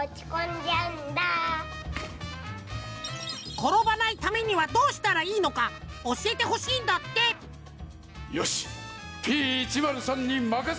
ころばないためにはどうしたらいいのかおしえてほしいんだってよしＰ１０３にまかせてくれ！